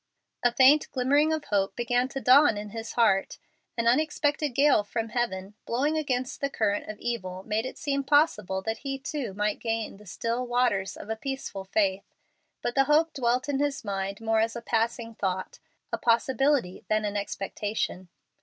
A faint glimmering of hope began to dawn in his heart. An unexpected gale from heaven, blowing against the current of evil, made it seem possible that he too might gain the still waters of a peaceful faith. But the hope dwelt in his mind more as a passing thought, a possibility, than an expectation.